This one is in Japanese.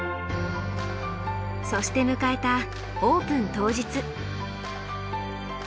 そして迎えたオープン当日。